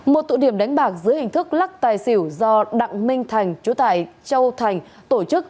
một tụ điểm đánh bạc dưới hình thức lắc tài xỉu do đặng minh thành chú tại châu thành tổ chức